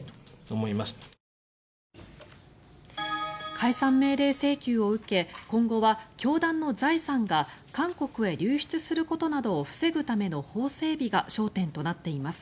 解散命令請求を受け今後は教団の財産が韓国へ流出することなどを防ぐための法整備が焦点となっています。